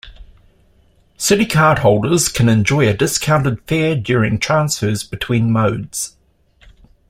City Card holders can enjoy a discounted fare during transfers between modes.